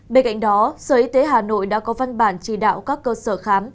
bên cạnh đó sở y tế hà nội đã có văn bản chỉ đạo các cơ sở khám